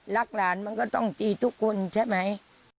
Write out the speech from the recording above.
รักหลานมันก็ต้องตีทุกคนใช่ไหม